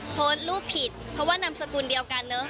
โพสต์รูปผิดเพราะว่านามสกุลเดียวกันเนอะ